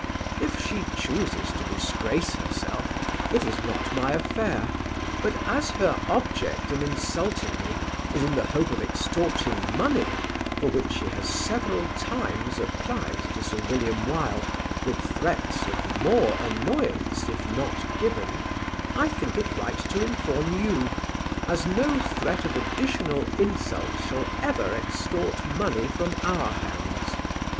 If she chooses to disgrace herself, it is not my affair, but as her object in insulting me is in the hope of extorting money for which she has several times applied to Sir William Wilde with threats of more annoyance if not given, I think it right to inform you, as no threat of additional insult shall ever extort money from our hands.